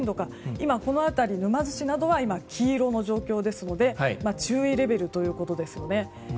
今この辺り、沼津市などは黄色の状況ですので注意レベルということですよね。